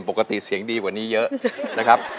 ปกติเสียงดีกว่านี้เยอะนะครับ